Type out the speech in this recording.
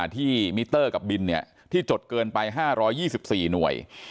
มิเตอร์กับบินที่จดเกินไป๕๒๔หน่วย